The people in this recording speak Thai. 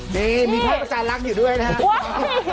นี่มีภาพประจานรักอยู่ด้วยนะ